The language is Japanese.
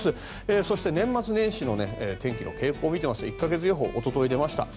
そして、年末年始の天気の傾向を見ていきますと１か月予報、おととい出ました。